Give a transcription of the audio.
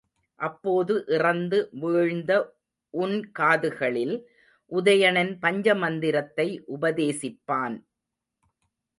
அப்போது இறந்து வீழ்ந்த உன்காதுகளில், உதயணன் பஞ்ச மந்திரத்தை உபதேசிப்பான்.